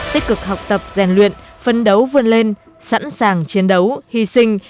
tích cực học tập rèn luyện phân đấu vươn lên sẵn sàng chiến đấu hy sinh